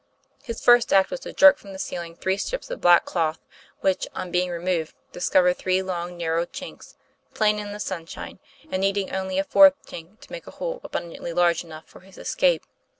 His first act was to jerk from the ceiling three strips of black cloth, which, on being removed, discovered three long, narrow chinks, plain in the sunshine, and needing only a fourth chink to make a hole abundantly large enough for his escape.